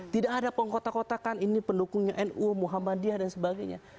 tidak ada pengkotak kotakan ini pendukungnya nu muhammadiyah dan sebagainya